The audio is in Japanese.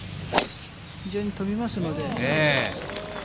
非常に飛びますので。